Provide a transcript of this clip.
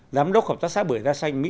giám đốc hợp tác xã bưởi ra xanh mỹ